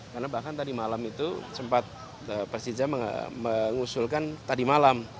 karena bahkan tadi malam itu sempat persija mengusulkan tadi malam